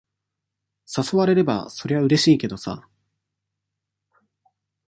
誘われれば、そりゃうれしいけどさ。